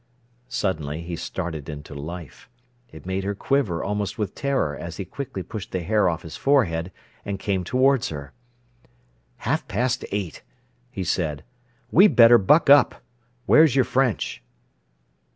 Suddenly he started into life. It made her quiver almost with terror as he quickly pushed the hair off his forehead and came towards her. "Half past eight!" he said. "We'd better buck up. Where's your French?"